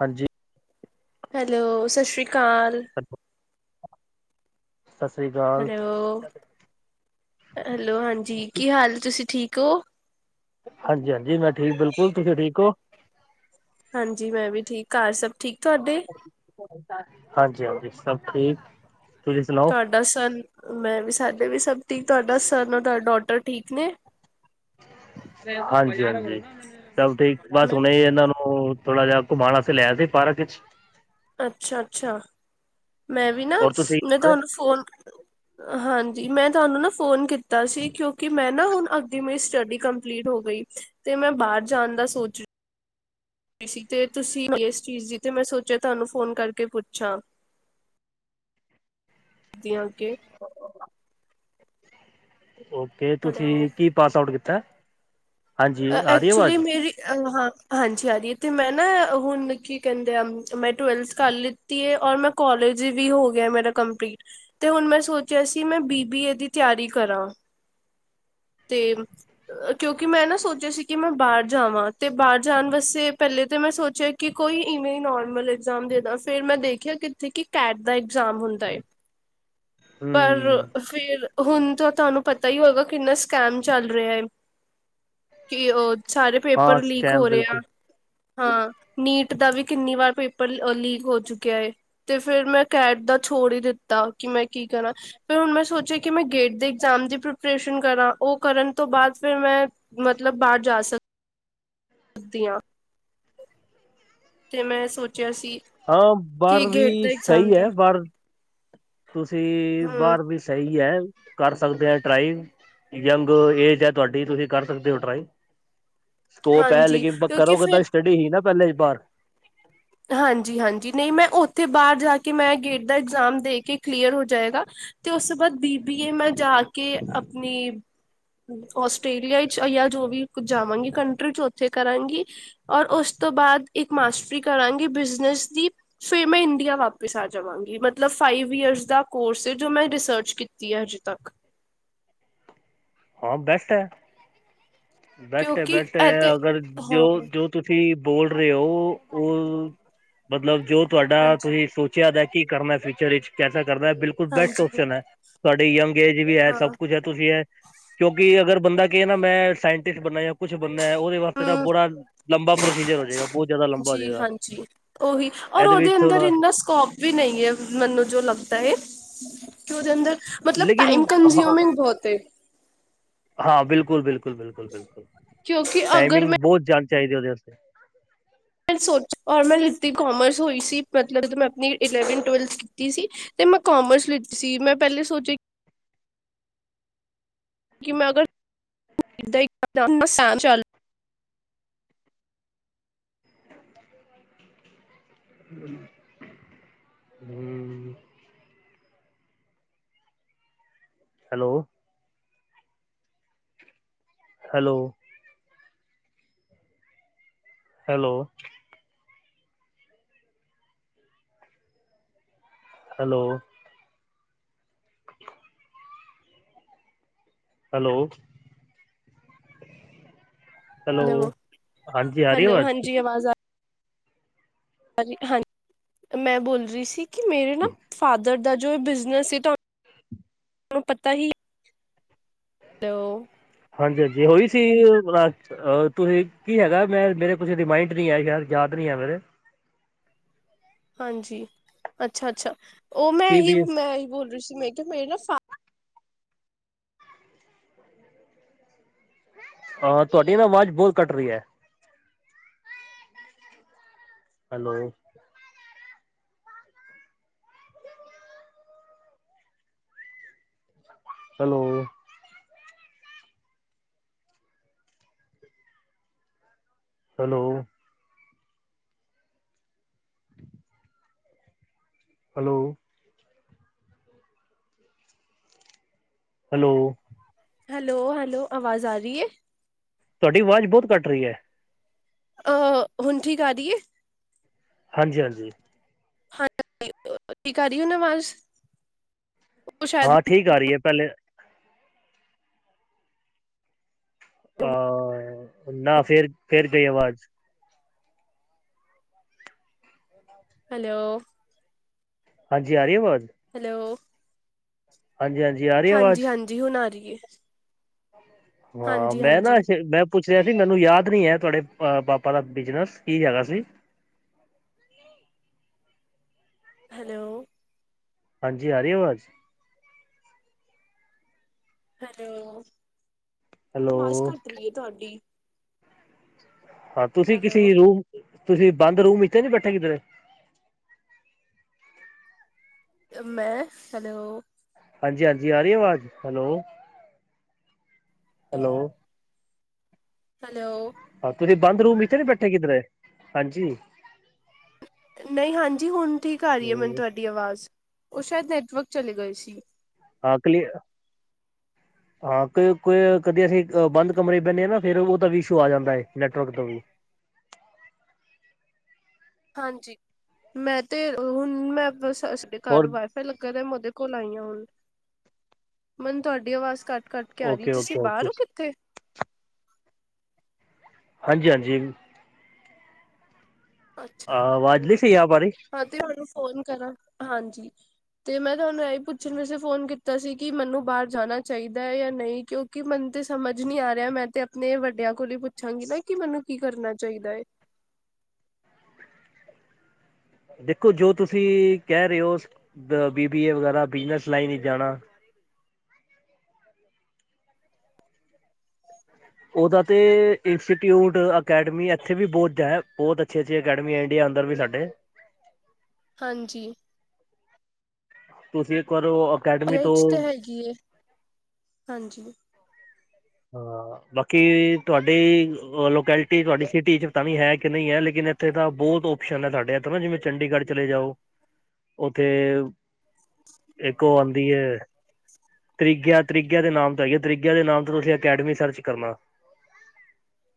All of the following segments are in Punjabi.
ਹਾਂਜੀ। ਹੈਲੋ, ਸਸ਼੍ਰੀ ਕਾਲ। [unintelligible] ਸਸ੍ਰੀ ਕਾਲ। ਹਲੋ, ਹਲੋ ਹਾਂਜੀ ਕੀ ਹਾਲ ਤੁਸੀ ਠੀਕ ਓ। ਹਾਂਜੀ, ਹਾਂਜੀ ਮੈਂ ਠੀਕ ਬਿਲਕੁਲ ਤੁਸੀ ਠੀਕ ਓ। ਹਾਂਜੀ, ਮੈਂ ਵੀ ਠੀਕ ਘਾੱਰ ਸਭ ਠੀਕ ਤੋਆਡੇ? ਹਾਂਜੀ, ‌ ਹਾਂਜੀ ਸਭ ਠੀਕ ਤੁਸੀ ਸੁਨਾਓ। ਤੋਡਾ ਸਨ, ਮੈਂ ਵੀ ਸਾਡੇ ਵੀ ਸਭ ਠੀਕ ਤੋਆਡਾ ਸਨ, ਤੋਆਡਾ ਡੋਟਰ ਠੀਕ ਨੇ। ਹਾਂਜੀ, ਹਾਂਜੀ ਸਭ ਠੀਕ ਬਸ ਮੈਂ ਹੁਣੇ ਏਨਾਂ ਨੂੰ ਥੋੜਾ‌ ਜਾ ਕੁਮਾਣ ਆਸਤੇ ਲੇਆਯਾ ਪਾਰਕ ਈਚ ਅੱਛਾ, ‌‌ ਅੱਛਾ ਮੈਂ ਵੀ ਨਾ ਹੋਰ ਤੁਸੀਂ ਮੈਂ ਤੋਆਨੂੰ ਫੋਨ ਹਾਂਜੀ, ਮੈਂ ਤੋਆਨੂੰ ਨਾ ਫੋਨ ਕੀਤਾ ਸੀ ਕਯੋਂਕਿ ਮੈਂ ਨਾ ਹੁਨ ਅਗੇ ਮੇਰੀ ਸਟੱਡੀ ਕੰਪਲੀਟ ਹੋਗਈ। ਤੇ ਮੈਂ ਬਾਰ ਜਾਨ ਦਾ ਸੋਚ [unintelligible] ਤੇ ਤੁਸੀ ਏਸ ਚੀਜ਼ ਦੀ ਤੇ ਮੈਂ ਸੋਚੇਆ ਤਾਨੂੰ ਫੋਨ ਕਰਕੇ ਪੁੱਛਾਂ। ਦੀਆਂ ਕੇ ਓਕੇ ਤੁਸੀ ਹੈਲੋ ਕੀ ਪਾਸ ਆਊਟ ਕੀਤਾ। ਹਾਂਜੀ ਅ‌ ਆ ਰਹੀ ਐਕਚੁਲੀ ਆਵਾਜ਼ ਮੇਰੀ ਅ‌‌ ਹਾਂ। ਹਾਂਜੀ, ਆਰੀਏ ਤੇ ਮੈਂ ਨਾ ਹੁਨ ਕੀ ਕੈਂਦੇ ਆ ਮੈਂ ਟਵੈਲਥ ਕਾਰ ਲਿੱਤੀ ਏ ਓਰ ਮੈਂ ਕੋਾਲੇਜ ਵੀ ਹੋਗੇਆ ਮੇਰਾ ਕੰਪਲੀਟ ਤੇ ਹੁਨ ਮੈਂ ਸੋਚੇਆ ਸੀ ਮੈਂ ਬੀ ਬੀ ਏ ਦੀ ਤੇਆਰੀ ਕਰਾਂ। ਤੇ ਕਯੋਂਕਿ ਮੈਂ ਨਾ ਸੋਚ ਸੋਚੇਆ ਸੀ ਕਿ ਮੈਂ ਬਾਰ ਜਾਵਾਂ, ਤੇ ਬਾਰ ਜਾਨ ਵਾਸਤੇ ਪੈਲੇ ਤੇ ਮੈਂ ਸੋਚੇਆ ਕਿ ਕੋਈ ਇਵੇਂ ਨੋਰਮਲ ਐਗਜ਼ਾਮ ਦੇਣਾ ਫੇਿਰ ਮੈਂ ਦੇਖਿਆ ਕਿ ਏਥੇ ਕਿ ਕੈਟ ਦਾ ਇਗਜ਼ਾਮ ਹੁੰਦਾ ਏ। ਪਰ, ਹਮ ਫਿਰ ਹੁਣ ਤਾਂ ਤੁਹਾਨੂੰ ਪਤਾ ਹੀ ਹੋਗਾ ਕਿੰਨਾ ਸਕੈਮ ਚੱਲ ਰਿਹਾ ਹੈ? ਕੀ ਉਹ ਸਾਰੇ ਹਾਂ ਪੇਪਰ ਲੀਕ ਸਕੈਮ ਹੋ ਰੇ ਹਾ। ਬਿਲਕੁਲ ਹਾਂ, ਨੀਟ ਦਾ ਵੀ ਕਿੰਨੀ ਵਾਰ ਪੇਪਰ ਅ ਲੀਕ ਹੋ ਚੁੱਕਿਆ ਹੈ। ਤੇ ਫੇਿਰ ਮੈਂ ਕੈਟ ਦਾ ਛੋੜ ਹੀ ਦਿੱਤਾ ਕਿ ਮੈਂ ਕੀ ਕਰਾਂ? ਫਿਰ ਹੁਣ ਮੈਂ ਸੋਚਿਆ, ਕਿ ਮੈਂ ਗੇਟ ਦੇ ਐਗਜ਼ਾਮ ਦੀ ਪ੍ਰੈਪਰੇਸ਼ਨ ਕਰਾਂ ਉਹ ਕਰਨ ਤੋਂ ਬਾਅਦ ਫਿਰ ਮੈਂ ਮਤਲਬ ਬਾਹਰ ਜਾ ਸਕਦੀ ਆ। ਸਧਆਂ [unintelligible] ਤੇ ਮੈਂ ਸੋਚਿਆ ਸੀ। ਹਾਂ, ਕਿ ਬਾਹਰ ਗੇਟ ਦਾ ਵੀ ਇਗਜ਼ਾਮ ਸਹੀ ਦਾ ਹੈ ਪਰ ਤੁਸੀਂ, ਹਮ ਬਾਹਰ ਵੀ ਸਹੀ ਹੈ ਕਰ ਸਕਦੇ ਆ ਟਰਾਈ। ਯੰਗ ਏਜ ਹੈ ਤੁਹਾਡੀ ਤੁਸੀਂ ਕਰ ਸਕਦੇ ਹੋ ਟਰਾਈ। ਸਕੋਪ ਹੈ ਹਾਂਜੀ ਲੇਕਿਨ ਕਿਉਂਕਿ ਕਰੋ ਗੇ ਫਿਰ ਤਾ ਸਟੱਡੀ ਹੀ ਨਾ ਪਹਿਲੇ ਬਾਹਰ। ਹਾਂਜੀ, ਹਾਂਜੀ ਨਹੀਂ ਮੈਂ ਉੱਥੇ ਬਾਹਰ ਜਾ ਕੇ ਮੈਂ ਗੇਟ ਦਾ ਇਗਜ਼ਾਮ ਦੇ ਕੇ ਕਲੀਅਰ ਹੋ ਜਾਏਗਾ। ਤੇ ਉਸ ਤੋਂ ਬਾਅਦ ਬੀ ਬੀ ਏ ਮੈਂ ਜਾ ਕੇ ਆਪਣੀ ਆਸਟ੍ਰੇਲੀਆ ਚ ਜਾਂ ਜੋ ਵੀ ਜਾਵਾਂਗੀ ਕੰਟਰੀਕ ਉੱਥੇ ਕਰਾਂਗੀ। ਔਰ ਉਸ ਤੋਂ ਬਾਅਦ ਇੱਕ ਮਾਸਟਰੀ ਕਰਾਂਗੀ ਬਿਜਨਸ ਦੀ। ਫੇਿਰ ਮੈਂ ਇੰਡੀਆ ਵਾਪਿਸ ਆ ਜਾਵਾਂਗੀ ਮਤਲਬ ਫਾਈਵ ਈਅਰਸ ਦਾ ਕੋਰਸ ਏ ਜੋ ਮੈਂ ਰਿਸਰਚ ਕੀਤ ਤੀ ਅੱਜ ਤੱਕ। ਹਾਂ ਬੈਸਟ ਹੈ, ਬੈਸਟ ਹੈ, ਕਿਉਂਕਿ ਬੈਸਟ ਇਹ ਤੇ ਹੈ ਅਗਰ ਜੋ ਹਾਂ ਜੋ ਤੁਸੀਂ ਬੋਲ ਰਹੇ ਹੋ ਉਹ ਮਤਲਬ ਜੋ ਤੁਹਾਡਾ ਹਾਂਜੀ ਤੁਸੀਂ ਸੋਚ ਆਦ ਹੈ ਕੀ ਕਰਨਾ ਫਿਊਚਰ ਵਿੱਚ ਕੈਸਾ ਕਰਨਾ ਹੈ ਬਿਲਕੁਲ ਬੈਸਟ ਹਾਂਜੀ ਓਪਸ਼ਨ ਹੈ। ਤੁਹਾਡੀ ਯੰਗ ਏਜ ਵੀ ਹੈ ਸਭ ਹਾਂ ਕੁੱਛ ਹੈ ਤੁਸੀਂ ਇਹ ਕਿਉਂਕਿ ਅਗਰ ਬੰਦਾ ਕਏ ਨਾ ਮੈਂ ਸਾਇੰਟਿਸਟ ਬਣਨਾ ਜਾਂ ਕੁੱਛ ਬਣਨਾ ਉਹਦੇ ਵਾਸਤੇ ਤਾਂ ਹਮ ਬੁਰਾ ਲੰਬਾ ਪ੍ਰੋਸੀਜਰ ਹੋ ਜਾਏਗਾ ਬਹੁਤ ਜ਼ਿਆਦਾ ਲੰਬਾ ਹੋ ਜੀ ਜਾਏਗਾ। ਹਾਂਜੀ ਉਹੀ। ਔਰ ਇਹਦੇ ਓਦੇ ਵਿੱਚ ਅੰਦਰ ਥੋੜਾ ਇੰਨਾ ਸਕੋਪ ਵੀ ਨਹੀਂ ਹੈ ਮੈਨੂੰ ਜੋ ਲੱਗਦਾ ਹੈ। ਕਿ ਉਹਦੇ ਅੰਦਰ ਮਤਲਬ ਲੇਕਿਨ ਟਾਈਮ ਹਾਂ ਕੰਜ਼ਿਊਮਿੰਗ ਬਹੁਤ ਏ। ਹਾਂ ਬਿਲਕੁਲ, ਬਿਲਕੁਲ, ਬਿਲਕੁਲ, ਬਿਲਕੁਲ ਕਿਉਂਕਿ ਅਗਰ ਮੈਂ ਟਾਈਮਿੰਗ ਬਹੁਤ ਜਦਾ ਚਾਹੀਦੇ ਉਹਦੇ ਵਸਤੇ। ਮੈਂ ਸੋਚ ਔਰ ਮੈਂ ਲਿਤੀ ਕੋਮਰਸ ਹੋਈ ਸੀ ਮਤਲਬ ਜਦੋਂ ਮੈਂ ਆਪਣੀ ਇਲੈਵਨਥ, ਟਵੈਲਥ ਕੀਤੀ ਸੀ। ਤੇ ਮੈਂ ਕਾਮਰਸ ਲਿਤੀ ਸੀ ਮੈਂ ਪਹਿਲੇ ਸੋਚਿਆ ਮੈਂ ਅਗਰ ਸਹਿ ਚ [unintelligible] [unintelligible] [inaudible] hello? Hello? Hello? Hello? Hello? Hello, ਹਾਂਜੀ ਆ ਰੀ ਹੈਲੋ ਅਵਾਜ? ਹਾਂਜੀ ਹ ਹਾਂਜੀ, ਮੈਂ ਬੋਲ ਰਹੀ ਸੀ ਕਿ ਮੇਰੇ ਨਾ ਫਾਦਰ ਦਾ ਜੋ ਬਿਜਨਸ ਸੀ ਤੁਹਾਨੂੰ ਪਤਾ ਹੀ ਤੋ ਹਾਂਜੀ, ਹਾਂਜੀ ਉਹੀ ਸੀ ਅ ਤੁਸੀਂ ਕੀ ਹੈਗਾ ਮੈਂ ਮੇਰੇ ਕੁਛ ਰਿਮਾਇੰਡ ਨੀ ਆ, ਗੱਲ ਯਾਦ ਨਹੀਂ ਆ ਮੇਰੇ ਹਾਂਜੀ। ਅੱਛਾ, ਅੱਛਾ ਉਹ ਮੈਂ ਕੀ ਇਹੀ ਵੀ ਮੈਂ ਇਹੀ ਬੋਲ ਰਹੀ ਸੀ ਮੈਂ ਕਿ ਮੇਰੇ ਨਾ ਫਾ ਹਾਂ, ਤੁਹਾਡੀ ਨਾ ਆਵਾਜ਼ ਬਹੁਤ ਕੱਟ ਰਹੀ ਹੈ। Hello? Hello? Hello? Hello. Hello. Hello, hello ਅਵਾਜ਼ ਆ ਰੀ ਏ? ਤੂਆਡੀ ਵਾਜ ਬੋਤ ਕਾੱਟ ਰੀ ਐ। ਅਹ ਹੁਨ ਠੀਕ ਆ ਰੀ ਏ? ਹਾਂਜੀ, ਹਾਂਜੀ। ਹਾਂ [unintelligible] ਆ ਰੀ ਐ ਨਾ ਵਾਜ? ਹਾ, ਠੀਕ ਆ ਰੀ ਏ ਪੈਲੇ ਆ, ਨਾ ਫੇਰ-ਫੇਰ ਗਈ ਅਵਾਜ। ਹੈਲੋ। ਹਾਂਜੀ, ਆਰੀ ਏ ਵਾਜ? ਹੈਲੋ। ਹਾਂਜੀ, ਹਾਂਜੀ ਆ ਰੀ ਅਵਾਜ? ਜੀ, ਹੁਨ ਆਰੀ ਏ। ਹਾਂ, ਮੈਂ ਨਾ ਹਾਂਜੀ-ਹਾਂਜੀ ਐਸੇ, ਮੈਂ ਪੁੱਛ ਰੇਆ ਸੀ ਮੈਨੂੰ ਯਾਦ ਨੀ ਹੈ ਤੂਆਡੇ ਅ ਬਾਪਾ ਦਾ ਬਿਜਨਸ, ਕੀ ਹੈਗਾ ਸੀ? ਹੈਲੋ। ਹਾਂਜੀ, ਆਰੀ ਅਵਾਜ? ਹੈਲੋ, ਅਵਾਜ਼ ਹੈਲੋ ਕਾੱਟ ਰੀ ਏ ਤੂਆਡੀ। ਤੂਸੀ ਹੈਲੋ ਕਿਸੀ ਰੂਮ, ਤੂਸੀ ਬਾੰਦ ਰੂਮ ਇਚ ਤੇ ਨੀ ਬੈਠੇ ਕਿਦਰੇ? ਮੈਂ, ਹੈਲੋ। ਹਾਂਜੀ, ਹਾਂਜੀ ਆ ਰੀ ਅਵਾਜ, ਹੈਲੋ? ਹੈਲੋ। ਹੈਲੋ। ਹਾ ਤੂਸੀ ਬਾੰਦ ਰੂਮ ਇਚ ਤੇ ਨੀ ਬੈਠੇ ਕਿੱਦਰੇ, ਹਾਂਜੀ? ਨਹੀ, ਹਾਂਜੀ ਹੁਨ ਠੀਕ ਆ ਰੀ ਏ ਮੈਨ ਹੈਲੋ, ਤੂਆਡੀ ਅਵਾਜ, ਓ ਸ਼ਾਏਦ ਨੈਟਵਰਕ ਚਲੇ ਗਏ ਸੀ। ਹਾਂ ਕਲੀ [inaudible] ਹਾਂ ਕੋ, ਕੋਈ ਕਦੀ ਅਸੀ ਬਾੰਦ ਕਮਰੇ ਚ ਬੈਨੇ ਆਂ ਨਾ, ਫੇਰ ਓਦਾ ਵੀ ਇਸ਼ੂ ਆ ਜਾਂਦੈ, ਨੈਟਵਰਕ ਦ ਵੀ। ਹਾਂਜੀ, ਮੈਂ ਤੇ ਹੁਨ ਮੈਂ ਬਸ ਅਸ ਹੋਰ ਘਾਰ ਵਾਈਫਾ ਲਗਾਦੈ, ਮੈਂ ਓਦੇ ਕੋਲ ਆਈ ਆਂ ਹੁਨ, ਮੈਨ ਤੂਆਡੀ ਅਵਾਜ ਕਾੱਟ ਕਾੱਟ ਕੇ ਆਰੀ ਏ, ਓਕੇ ਤੂਸੀ ਓਕੇ ਓਕੇ ਬਾਰ ਓ ਕਿੱਥੇ? ਹਾਂਜੀ, ਹਾਂਜੀ। ਅੱਛਾ, ਆਵਾਜ਼ ਨਹੀਂ ਸਹੀ ਆ ਪਾ ਰਹੀ ਹਾਂ ਤੇ ਆਰੋ ਫੋਨ ਕਰਾਂ, ਹਾਂਜੀ। ਤੇ ਮੈਂ ਤੂਆਨੂੰ ਐਈ ਪੁੱਛਨ ਵਸੇ ਫੋਨ ਕੀਤਾ ਸੀ, ਕਿ ਮੈਨੂੰ ਬਾਰ ਜਾਣਾ ਚਾਈਦਾ ਐ ਯਾ ਨਹੀ, ਕਿਉਂ ਕਿ ਮੈਨ ਤੇ ਸਮਝ ਨੀ ਆ ਰੇਆ, ਮੈਂ ਤੇ ਅਪਨੇ ਵੱਡੇਆਂ ਕੋਲ ਈ ਪੁੱਛਾਂਗੀ ਨਾ ਕਿ ਮੈਨੂੰ ਕੀ ਕਰਨਾ ਚਾਈਦਾ ਏ? ਦੇਖੋ ਜੋ ਤੂਸੀ ਕੈਅ ਰੇ ਓ, ਬੀਬੀ ਏ ਵਗੈਰਾ, ਬਿਜਨਸ ਲਾਈਨ ਇਚ ਜਾਣਾ [inaudible] [inaudible] ਓਦਾ ਤੇ ਇੰਸਟੀਟਿਊਟ, ਅਕੈਡਮੀ ਐਥੇ ਵੀ ਬੋਤ ਐ, ਬੋਤ ਛੀ, ਛੀ ਅਕੈਡਮੀਆਂ ਇੰਡੀਆ ਅੰਦਰ ਵੀ ਸਾਡੇ। ਹਾਂਜੀ। ਤੂਸੀ ਇਕ ਵਾਰ ਓ ਟੀਆ ਇਚ ਤਾ ਹੈਗੀ ਐ, ਹਾਂਜੀ। ਹਾ, ਬਾਕੀ ਤੂਆਡੀ ਲੋਕੈਲਿਟੀ, ਤੁਆਡੀ ਸਿਟੀ ਚ ਪਤਾ ਨੀ ਹੈ ਕੇ ਨਹੀ ਹੈ ਲੇਕਿਨ ਏ ਉਥੇ ਤਾਂ ਬੋਤ ਓਪਸ਼ਨ ਐ, ਸਾਡੇ ਐਥੇ ਨਾ ਜਿਵੇਂ ਚੰਡੀਗੜ ਚਲੇ ਜਾਓ, ਓਥੇ ਇੱਕ ਓ ਆਂਦੀ ਏ ਤ੍ਰਰੀਗਿਆ, ਤ੍ਰਰੀਗਿਆ ਦੇ ਨਾਮ ਤੋਂ ਹੈਗੀ ਐ, ਤ੍ਰਰੀਗਿਆ ਦੇ ਨਾਮ ਤੋਂ ਤੂਸੀ ਅਕੈਡਮੀ ਸਰਚ ਕਰਨਾ।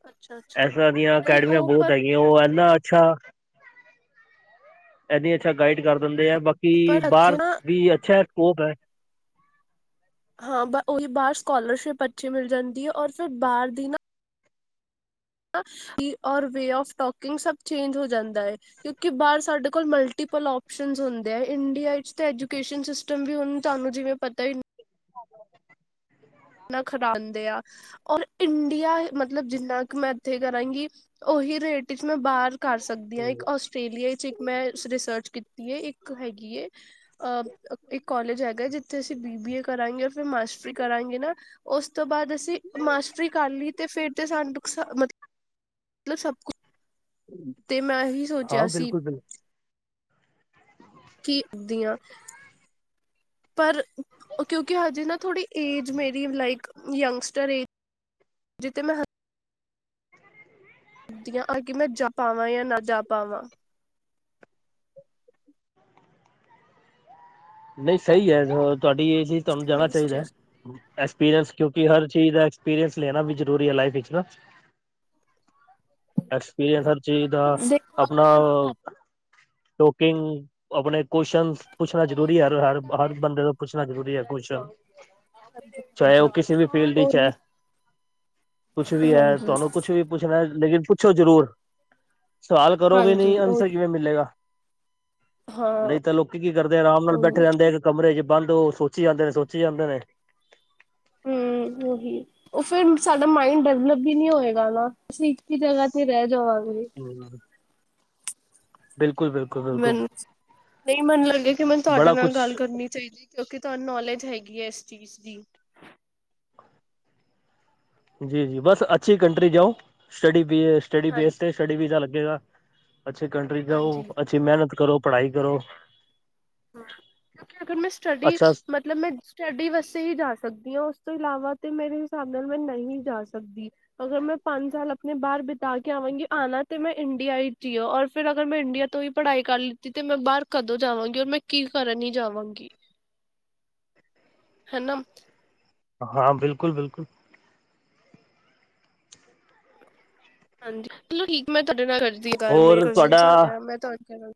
ਅੱਛਾ ਅੱਛਾ ਐਸ ਤਰਾਂ ਦੀਆਂ ਨਹੀਂ ਅਕੈਡਮੀਆਂ ਉਹ ਬੋਤ ਪਰ ਹੈਗੀਆਂ, ਓ ਐਨਾ ਅੱਛਾ ਐਨੀ ਅੱਛਾ ਗਾਈਡ ਕਾਰ ਦਿੰਦੇ ਐ, ਬਾਕੀ ਪਰ ਇੱਥੇ ਬਾਰ ਨਾ ਵੀ ਅੱਛ ਐ, ਸਕੋਪ ਹੈ। ਹਾਂ ਬ ਉਹੀ ਬਾਰ ਸਕੋਲਰਸ਼ਿਪ ਅੱਛੀ ਮਿਲ ਜਾਂਦੀ ਹੈ ਔਰ ਫਿਰ ਬਾਰ ਦੀ ਨਾ ਔਰ ਵੇ ਆਫ ਟੋਕਿੰਗ ਸਭ ਚੇਂਜ ਹੋ ਜਾਂਦਾ ਹੈ। ਕਿਉਕਿ ਬਾਰ ਸਾਡੇ ਕੋਲ ਮਲਟੀਪਲ ਹੁੰਦੇ ਆ ਇੰਡੀਆ ਇਚ ਤੇ ਐਜੂਕੇਸ਼ਨ ਸਿਸ ਵੀ ਹੁਣ ਤੁਹਾਨੂੰ ਜਿਵੇਂ ਪਤਾ ਹੀ ਨਾ ਖਡਾਂਉਂਦੇ ਆ। ਔਰ ਇੰਡੀਆ ਮਤਲਬ ਜਿੰਨਾ ਕੁ ਮੈਂ ਇੱਥੇ ਕਰਾਂਗੀ ਓਹੀ ਰੇਟ ਵਿਚ ਮੈਂ ਬਾਰ ਕਰ ਸਕਦੀ ਹਾਂ ਇੱਕ ਆਸਟ੍ਰੇਲੀਆ ਵਿੱਚ ਇੱਕ ਮੈਂ ਰਿਸਰਚ ਕੀਤੀ ਹੈ ਇੱਕ ਹੈਗੀ ਏ ਅ ਇੱਕ ਕੋਾਲਜ ਹੈਗਾ ਜਿੱਥੇ ਅਸੀਂ ਬੀ ਬੀ ਏ ਕਰਾਂਗੇ ਰ ਫਿਰਰ ਮਾਸਟਰੀ ਕਰਾਂਗੇ ਨਾ ਉਸ ਤੋਂ ਬਾਦ ਅਸੀ ਮਾਸਟਰੀ ਕਰ ਲਈ ਤੇ ਫੇਰ ਤੇ ਸਾਨੂੰ ਮਤਲਬ ਸਭ ਕੁਛ ਤੇ ਮੈਂ ਇਹੀ ਹਾਂ ਸੋਚਿਆ ਸੀ। ਬਿਲਕੁਲ ਬਿਲਕੁਲ ਕੀ ਦੀਆਂ ਪਰ ਕਿਉਂਕਿ ਹਜੇ ਨਾ ਥੋੜੀ ਏਜ ਮੇਰੀ ਲਾਈਕ ਯੰਗਸਟਰ ਏਜ ਹਜੇ ਤੇ ਮੈਂ ਦਿਆ ਕੇ ਮੈਂ ਜਾ ਪਾਵਾਂ ਜਾਂ ਨਾ ਜਾ ਪਾਵਾਂ। ਨਹੀਂ ਸਹੀ ਹੈ ਤੁਹਾਡੀ ਇਹ ਚੀਜ਼ ਤੁਹਾਨੂੰ ਜਾਣਾ ਨਹੀਂ ਚਾਹੀਦਾ। ਸੋਚਿਆ ਐਕਸਪੀਰੀਅੰਸ ਕਿਉਂਕਿ ਹਰ ਚੀਜ਼ ਦਾ ਐਕਸਪੀਰੀਅੰਸ ਲੈਣਾ ਵੀ ਜ਼ਰੂਰੀ ਹੈ ਲਾਈਫ ਵਿੱਚ ਨਾ। ਐਕਸਪੀਰੀਅੰਸ ਹਰ ਚੀਜ਼ ਦਾ ਦੇਖੋ ਆਪਣਾ ਅਗਰ ਆਹ ਟੋਕਿੰਗ ਆਪਣੇ ਕੁਸ਼ਚ ਪੁੱਛਣਾ ਜ ਜ਼ਰੂਰੀ ਹੈ ਹਰ ਬੰਦੇ ਤੋਂ ਕੁਛ ਨਾ ਜ਼ਰੂਰੀ ਹੈ ਕੋਸਨ। ਹਾਂਜੀ ਚਾਹੇ ਉਹ ਹਾਂਜੀ ਕਿਸੇ ਵੀ ਫੀਲਡ ਇਚ ਹੈ ਉਹੀ ਕੁਛ ਵੀ ਹੈ ਹਾਂਜੀ ਤੁਹਾਨੂੰ ਕੁਛ ਵੀ ਪੁੱਛਣਾ ਲੇਕਿਨ ਪੁੱਛੋ ਜ਼ਰੂਰ ਸਵਾਲ ਕਰੋਗੇ ਹਾਂਜੀ ਨਹੀਂ ਅੰਸਰ ਉਹੀ ਕਿਵੇਂ ਮਿਲੇਗਾ ਹਾਂ ਨਹੀਂ ਤੇ ਲੋਕੀ ਕੀ ਕਰਦੇ ਆਰਾਮ ਨਾਲ ਉਹੀ ਬੈਠੇ ਰਹਿੰਦੇ ਆ ਇੱਕ ਕਮਰੇ ਚ ਬੰਦ ਉਹ ਸੋਚੀ ਜਾਂਦੇ ਨੇ, ਸੋਚੀ ਜਾਂਦੇ ਨੇ। ਹੂੰ ਉਹੀ। ਉਹ ਫੇਰ ਸਾਡਾ ਮਾਇੰਡ ਡਿਵਲਪ ਵੀ ਨੀ ਹੋਏਗਾ ਨਾ ਅਸੀਂ ਇੱਕ ਹੀ ਜਗਾ ਤੇ ਰਹਿ ਜਾਵਾਂਗੇ। ਹੂੰ ਬਿਲਕਲ ਬਿਲ ਮੈਨੂੰ ਨਹੀਂ ਮੈਨ ਲੱਗਿਆ ਕਿ ਮੈਨੂੰ ਤੁਹਾਡੇ ਬੜਾ ਨਾਲ ਕੁਛ ਗੱਲ ਕਰਨੀ ਚਾਹੀਦੀ। ਕਿਉਂਕਿ ਤੁਹਾਨੂੰ ਨੌਲੇਜ ਹੈਗੀ ਹੈ ਇਸ ਚੀਜ਼ ਦੀ। ਜੀ-ਜੀ ਬਸ ਅੱਛੀ ਕੰਟਰੀ ਜਾਓ ਸਟਡੀ ਬੀ ਸਟੱਡੀ ਹਾਂਜੀ ਬੇਸ ਤੇ ਸਟੱਡੀ ਵੀਜਾ ਲੱਗੇਗਾ। ਅੱਛੇ ਕੰਟਰੀ ਜਾਓ ਹਾਂਜੀ ਅੱਛੀ ਮਿਹਨਤ ਕਰੋ ਪੜ੍ਹਾਈ ਕਰੋ। ਹਾਂ ਕਿਉਂਕਿ ਅਗਰ ਮੈਂ ਸਟੱਡੀ ਅੱਛਾ ਮੈਂ ਮਤਲਬ ਮੈਂ ਸਟੱਡੀ ਵਾਸਤੇ ਹੀ ਜਾ ਸਕਦੀ ਹਾਂ ਉਸ ਤੋਂ ਇਲਾਵਾ ਤਾਂ ਮੇਰੇ ਹਿਸਾਬ ਨਾਲ ਮੈਂ ਨਹੀਂ ਜਾ ਸਕਦੀ। ਅਗਰ ਮੈਂ ਪੰਜ ਸਾਲ ਆਪਣੇ ਬਾਰ ਬਿਤਾ ਕੇ ਆਵਾਂਗੀ ਆਣਾ ਤੇ ਮੈਂ ਇੰਡੀਆ ਹੀ ਜੀਓਔਰ ਫਿਰ ਅਗਰ ਮੈਂ ਇੰਡੀਆ ਤੋਂ ਹੀ ਪੜ੍ਹਾਈ ਕਰ ਲਿੱਤੀ ਤੇ ਮੈਂ ਬਾਰ ਕਦੋਂ ਜਾਵਾਂਗੀ ਔਰ ਮੈਂ ਕੀ ਕਰਨ ਹੀ ਜਾਵਾਂਗੀ। ਹਨਾ। ਹਾਂ ਬਿਲਕੁਲ-ਬਿਲਕੁਲ ਹਾਂਜੀ ਚਲੋ ਠੀਕ ਮੈਂ ਤੁਹਾਡੇ ਨਾਲ ਕਰਦੀ ਗੱਲ ਮੇਰੇ ਹੋਰ ਕਜ਼ਨਸ ਤੁਹਾਡਾ ਆ ਮੈਂ ਤੁਹਾਡ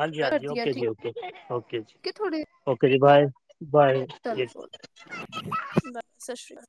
ਹਾਂਜੀ-ਹਾਂਜੀ ਓਕੇ ਜੀ, ਓਕੇ ਓਕੇ ਹੈ, ਥੋੜੇ ਜੀ-ਓਕੇ ਜੀ ਬਾਏ-ਬਾਏ ਜੀ। ਬਸ ਸਸ ਸ੍ਰੀ ਕਾਲ।